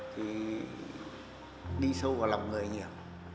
thì đi sâu vào lòng người nhiều